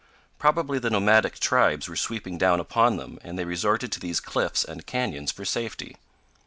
Probably the nomadic tribes were sweeping down upon them and they resorted to these cliffs and canyons for safety.